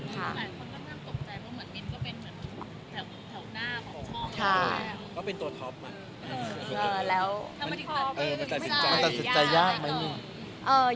หลายคนก็งำตกใจเหมือนกัน